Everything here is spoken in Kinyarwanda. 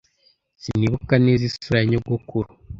Sinibuka neza isura ya nyogokuru.